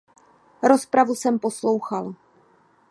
Rozpravu jsem poslouchal.